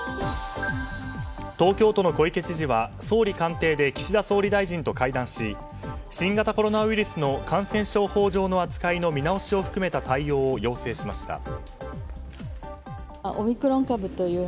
東京都の小池知事は総理官邸で岸田総理大臣と会談し新型コロナウイルスの感染症法上の扱いの見直しを含めた対応を要請しました。